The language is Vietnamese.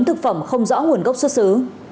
thực phẩm không rõ nguồn gốc xuất xứ